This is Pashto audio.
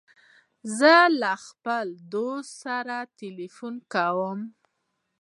زه له خپل دوست سره تلیفون کوم.